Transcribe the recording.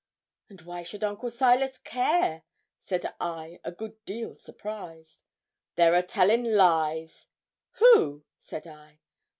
'And why should Uncle Silas care?' said I, a good deal surprised. 'They're a tellin' lies.' 'Who?' said I.